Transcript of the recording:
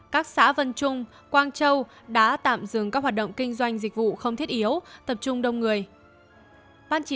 các xã vân trung quang châu đã tạm dừng các hoạt động kinh doanh dịch vụ không thiết yếu tập trung đông người